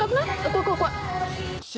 怖い怖い怖い。